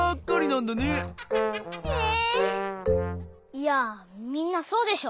いやみんなそうでしょ！